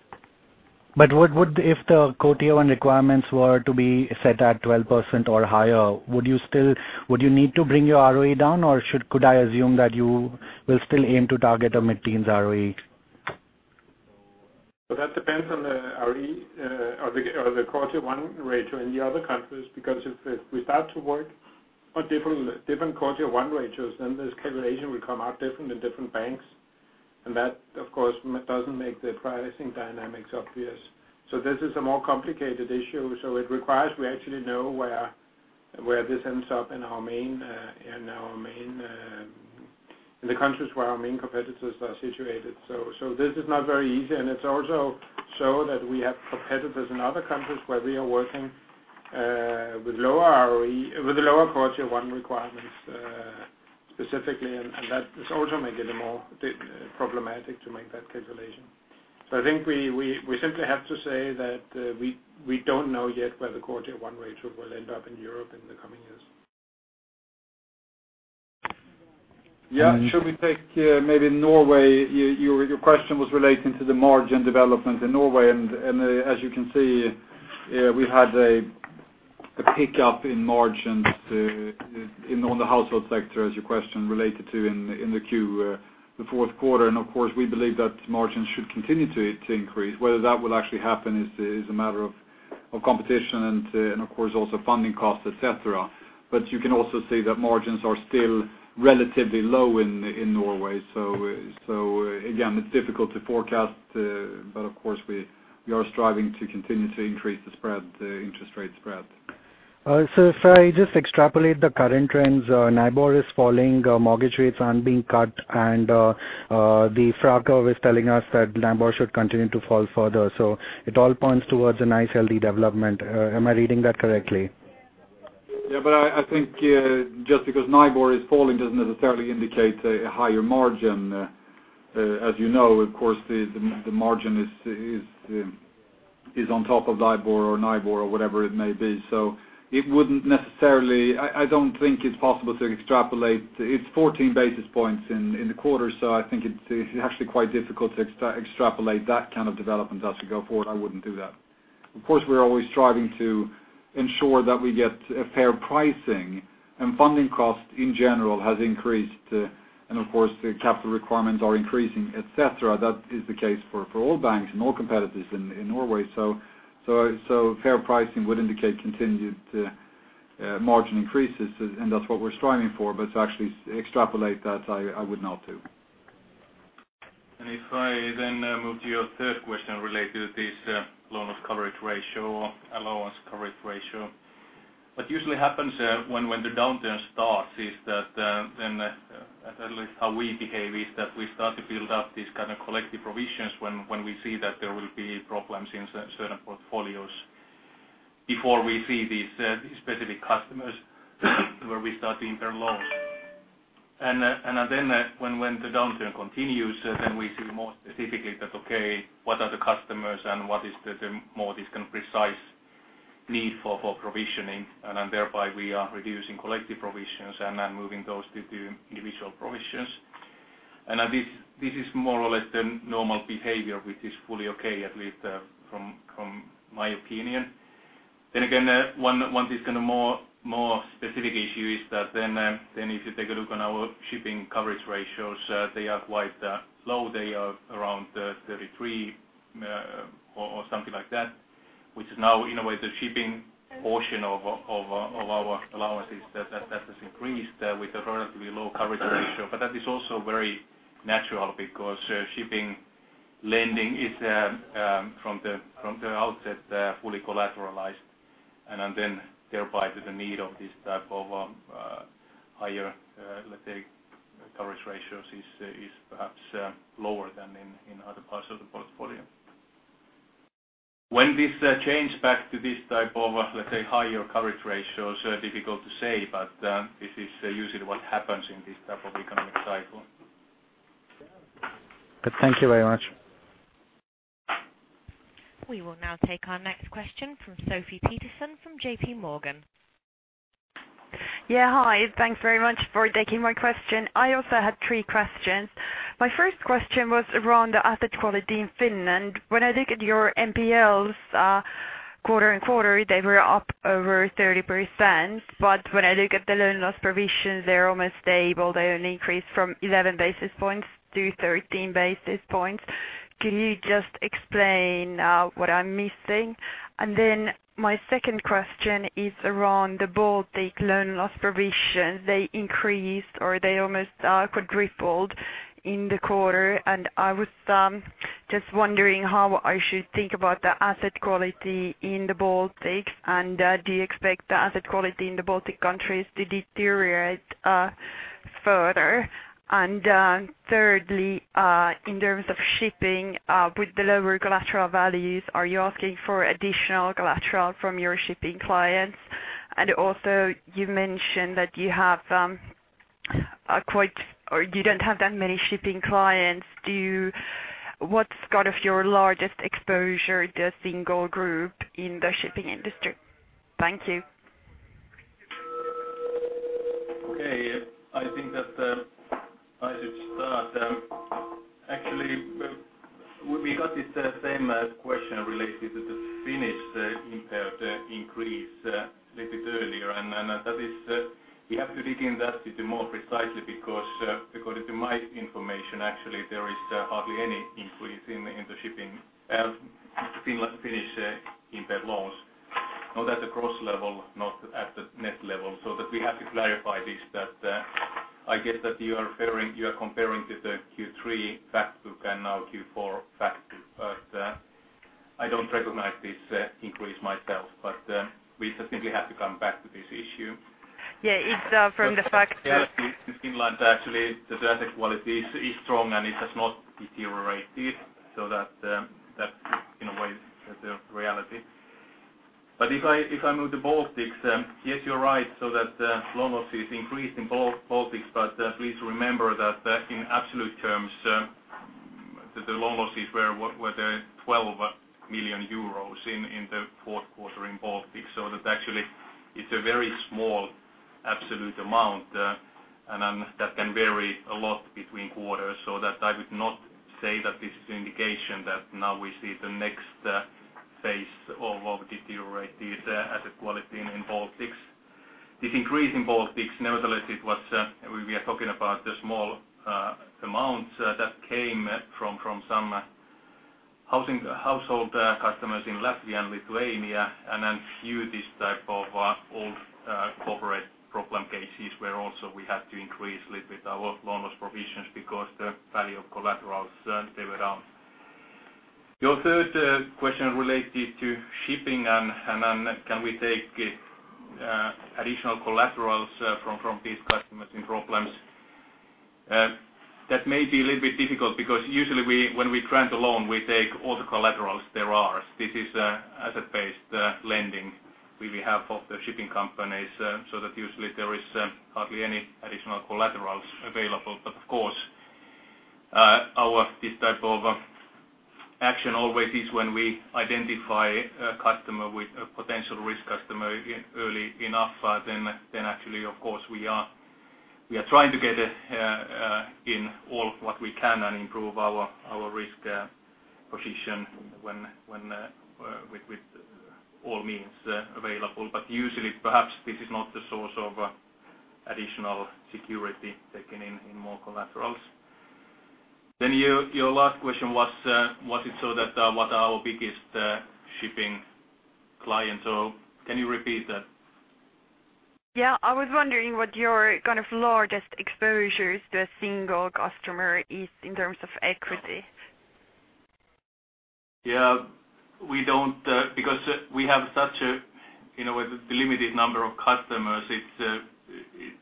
If the core Tier 1 requirements were to be set at 12% or higher, would you still need to bring your ROE down, or could I assume that you will still aim to target a mid-teens ROE? That depends on the ROE or the core Tier 1 ratio in the other countries. If we start to work on different core Tier 1 ratios, then this calculation will come out different in different banks. That, of course, doesn't make the pricing dynamics obvious. This is a more complicated issue. It requires we actually know where this ends up in the countries where our main competitors are situated. This is not very easy. It's also so that we have competitors in other countries where we are working with lower core Tier 1 requirements specifically. That has also made it more problematic to make that calculation. I think we simply have to say that we don't know yet where the core Tier 1 ratios will end up in Europe in the coming years. Yeah. Shall we take maybe Norway? Your question was relating to the margin development in Norway. As you can see, we had a pickup in margins on the household sector, as your question related to in the Q4 quarter. Of course, we believe that margins should continue to increase. Whether that will actually happen is a matter of competition and, of course, also funding costs, etc. You can also say that margins are still relatively low in Norway. Again, it's difficult to forecast. Of course, we are striving to continue to increase the spread, the interest rate spread. If I just extrapolate the current trends, NIBOR is falling, mortgage rates aren't being cut, and the FRA curve is telling us that NIBOR should continue to fall further. It all points towards a nice, healthy development. Am I reading that correctly? Yeah. I think just because NIBOR is falling doesn't necessarily indicate a higher margin. As you know, of course, the margin is on top of DIBOR or NIBOR or whatever it may be. It wouldn't necessarily, I don't think it's possible to extrapolate. It's 14 basis points in the quarter. I think it's actually quite difficult to extrapolate that kind of development as we go forward. I wouldn't do that. Of course, we're always striving to ensure that we get a fair pricing. Funding costs in general have increased, and of course, the capital requirements are increasing, etc. That is the case for all banks and all competitors in Norway. Fair pricing would indicate continued margin increases, and that's what we're striving for. To actually extrapolate that, I would not do. If I then move to your third question related to this loan loss coverage ratio or allowance coverage ratio, what usually happens when the downturn starts is that, at least how we behave, is that we start to build up these kind of collective provisions when we see that there will be problems in certain portfolios before we see these specific customers where we start to impair loss. When the downturn continues, we see more specifically that, okay, what are the customers and what is the more precise need for provisioning? Thereby, we are reducing collective provisions and moving those to individual provisions. This is more or less the normal behavior, which is fully okay, at least from my opinion. One of these more specific issues is that if you take a look at our shipping coverage ratios, they are quite low. They are around 33% or something like that, which is now in a way the shipping portion of our allowance is that that has increased with a relatively low coverage ratio. That is also very natural because shipping lending is from the outset fully collateralized. Thereby, the need of this type of higher coverage ratios is perhaps lower than in other parts of the portfolio. When this changes back to this type of higher coverage ratios, it's difficult to say. This is usually what happens in this type of economic cycle. Thank you very much. We will now take our next question from Sophie Peterson from JPMorgan. Yeah. Hi. Thanks very much for taking my question. I also had three questions. My first question was around the asset quality in Finland. When I look at your NPLs quarter on quarter, they were up over 30%. When I look at the loan loss provisions, they're almost stable. They only increased from 11 basis points to 13 basis points. Can you just explain what I'm missing? My second question is around the Baltic loan loss provisions. They increased or they almost quadrupled in the quarter. I was just wondering how I should think about the asset quality in the Baltics. Do you expect the asset quality in the Baltic countries to deteriorate further? Thirdly, in terms of shipping, with the lower collateral values, are you asking for additional collateral from your shipping clients? You mentioned that you have quite or you don't have that many shipping clients. What's your largest exposure, the single group in the shipping industry? Thank you. Okay. I think that I should start. Actually, we got the same question related to the Finnish impaired increase a little bit earlier. You have to dig into that more precisely because, according to my information, actually, there is hardly any increase in the Finnish impaired loans, not at the gross level, not at the net level. We have to clarify this. I guess that you are comparing to the Q3 fact book and now Q4 fact. I don't recognize this increase myself. We certainly have to come back to this issue. Yeah, it's from the fact. In Finland, actually, the asset quality is strong and it has not deteriorated. That is, in a way, the reality. If I move to the Baltics, yes, you're right. Loan losses increased in the Baltics. Please remember that in absolute terms, the loan losses were 12 million euros in the fourth quarter in the Baltics. Actually, it's a very small absolute amount, and that can vary a lot between quarters. I would not say that this is an indication that now we see the next phase of deteriorated asset quality in the Baltics. This increase in the Baltics, nevertheless, we are talking about the small amounts that came from some household customers in Latvia and Lithuania, and then a few of these types of old corporate problem cases where also we had to increase a little bit our loan loss provisions because the value of collaterals was down. Your third question related to shipping and can we take additional collaterals from these customers in problems? That may be a little bit difficult because usually, when we grant a loan, we take all the collaterals there are. This is asset-based lending we have for the shipping companies, so usually, there is hardly any additional collaterals available. Of course, this type of action always is when we identify a customer with a potential risk customer early enough. Actually, of course, we are trying to get in all of what we can and improve our risk position with all means available. Usually, perhaps this is not the source of additional security taken in more collaterals. Your last question was, was it so that what are our biggest shipping clients? Or can you repeat that? Yeah, I was wondering what your kind of largest exposures to a single customer is in terms of equity. Yeah. We don't because we have such a, in a way, limited number of customers.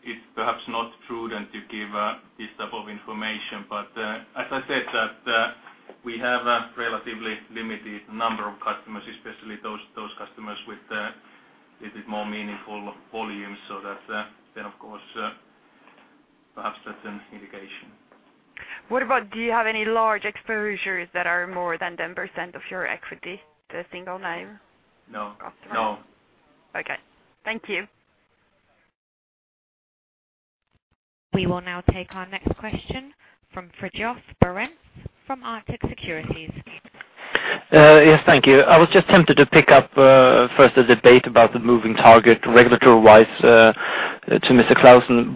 It's perhaps not prudent to give this type of information. As I said, we have a relatively limited number of customers, especially those customers with a little bit more meaningful volumes. That, of course, perhaps that's an indication. Do you have any large exposures that are more than 10% of your equity, the single name? No. Got it. No. Okay, thank you. We will now take our next question from Fridtjof Berents from Arctic Securities. Yes. Thank you. I was just tempted to pick up first the debate about the moving target regulatory rise to Mr. Clausen.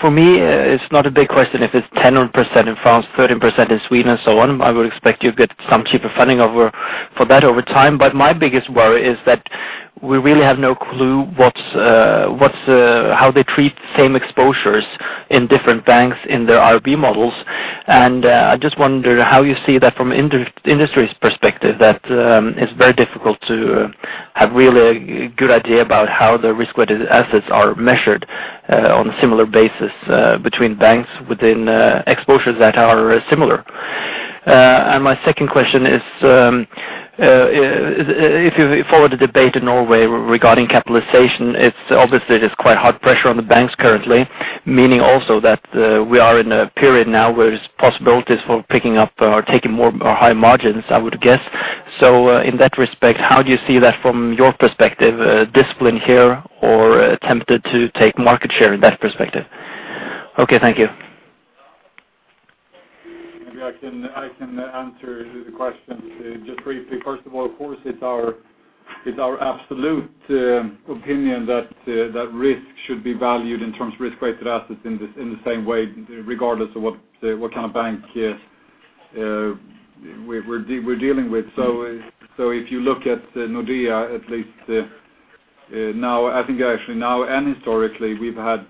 For me, it's not a big question if it's 10% in France, 13% in Sweden, and so on. I would expect you get some cheaper funding for that over time. My biggest worry is that we really have no clue how they treat the same exposures in different banks in their IRB models. I just wonder how you see that from an industry's perspective, that it's very difficult to have really a good idea about how the risk-related assets are measured on a similar basis between banks within exposures that are similar. My second question is, if you follow the debate in Norway regarding capitalization, it's obviously there's quite hard pressure on the banks currently, meaning also that we are in a period now where there's possibilities for picking up or taking more high margins, I would guess. In that respect, how do you see that from your perspective, discipline here or attempted to take market share in that perspective? Okay. Thank you. Yeah. I can answer the questions. Just briefly, first of all, of course, it's our absolute opinion that risk should be valued in terms of risk-related assets in the same way, regardless of what kind of bank we're dealing with. If you look at Nordea Bank, at least now, I think actually now and historically, we've had,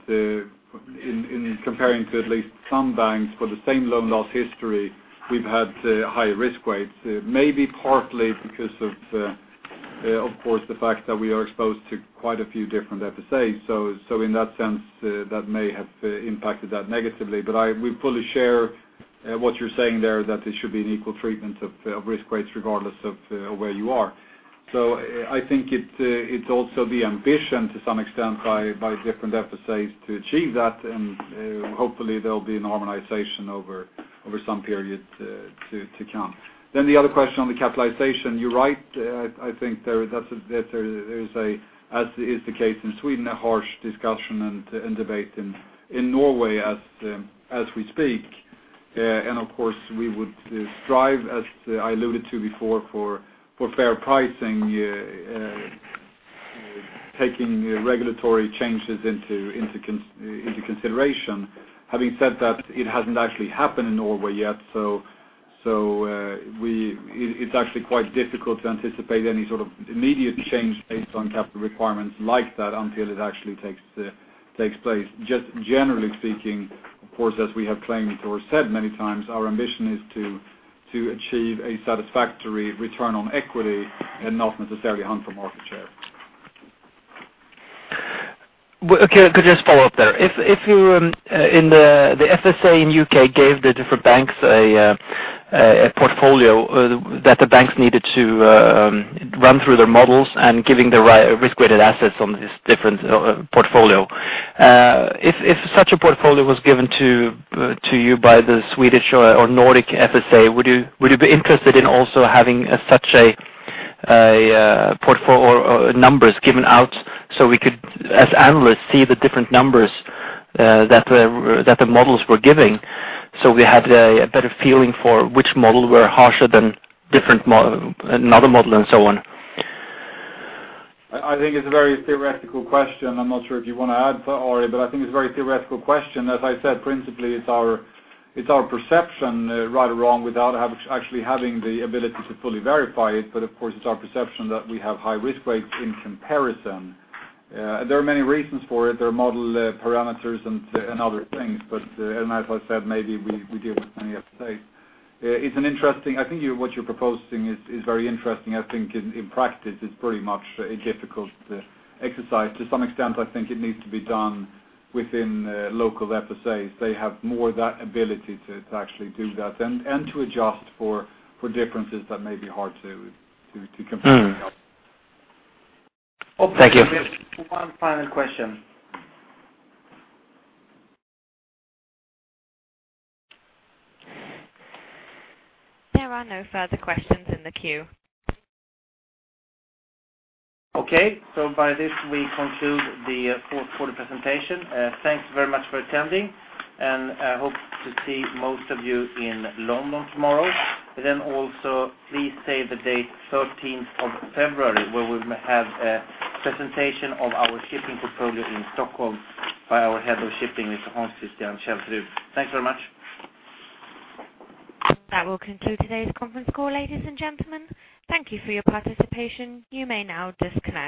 in comparing to at least some banks for the same loan loss history, we've had higher risk rates, maybe partly because of, of course, the fact that we are exposed to quite a few different FSAs. In that sense, that may have impacted that negatively. We fully share what you're saying there, that there should be an equal treatment of risk rates regardless of where you are. I think it's also the ambition to some extent by different FSAs to achieve that. Hopefully, there will be a normalization over some period to come. The other question on the capitalization, you're right. I think there is, as is the case in Sweden, a harsh discussion and debate in Norway as we speak. Of course, we would strive, as I alluded to before, for fair pricing, taking regulatory changes into consideration. Having said that, it hasn't actually happened in Norway yet. It's actually quite difficult to anticipate any sort of immediate change based on capital requirements like that until it actually takes place. Just generally speaking, of course, as we have claimed or said many times, our ambition is to achieve a satisfactory return on equity and not necessarily hunt for more. Okay. I could just follow up there. If you're in the FSA in the U.K. gave the different banks a portfolio that the banks needed to run through their models and giving the risk-related assets on this different portfolio, if such a portfolio was given to you by the Swedish or Nordic FSA, would you be interested in also having such a portfolio or numbers given out so we could, as analysts, see the different numbers that the models were giving so we had a better feeling for which model were harsher than another model and so on? I think it's a very theoretical question. I'm not sure if you want to add, Ari, but I think it's a very theoretical question. As I said, principally, it's our perception, right or wrong, without actually having the ability to fully verify it. Of course, it's our perception that we have high risk rates in comparison. There are many reasons for it. There are model parameters and other things. As I said, maybe we deal with the FSAs. I think what you're proposing is very interesting. I think in practice, it's pretty much a difficult exercise. To some extent, I think it needs to be done within local FSAs. They have more of that ability to actually do that and to adjust for differences that may be hard to compare. Thank you. If there's one final question. There are no further questions in the queue. Okay. By this, we conclude the fourth quarter presentation. Thanks very much for attending. I hope to see most of you in London tomorrow. Please save the date, 13th of February, where we'll have a presentation of our shipping portfolio in Stockholm by our Head of Shipping, Mr. Hans Christian Kjelsrud. Thanks very much. That will conclude today's conference call, ladies and gentlemen. Thank you for your participation. You may now disconnect.